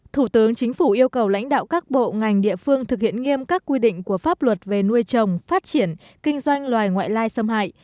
thủ tướng chính phủ yêu cầu lãnh đạo các bộ ngành địa phương thực hiện nghiêm các quy định của pháp luật về nuôi trồng phát triển kinh doanh loài ngoại lai xâm hại